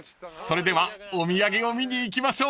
［それではお土産を見に行きましょう］